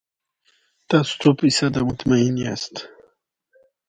عامه پروژو تطبیق او خلاقیت ته اړ دی.